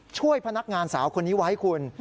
ช่วยพนักงานสาวคนนี้ไว้คุณ